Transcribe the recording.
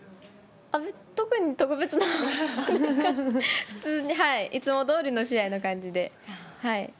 特に特別な、普通に、いつもどおりの試合の感じで、はい。